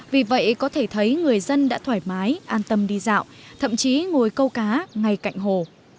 vì vậy có thể thấy người dân đã thoải mái an tâm đi dạo thậm chí ngồi câu cá ngay cạnh hồ